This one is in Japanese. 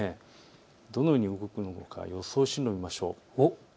どのように動くのか予想進路を見ましょう。